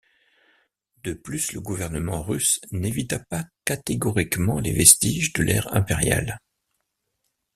De plus, le gouvernement russe n'évita pas catégoriquement les vestiges de l'ère impériale.